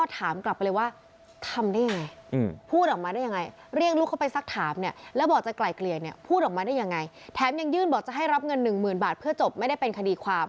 แท้มยังยื่นบอกจะให้รับเงิน๑๐๐๐๐บาทเพื่อจบไม่ได้เป็นคดีความ